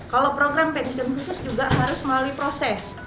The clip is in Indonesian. kalau program fadison khusus juga harus melalui proses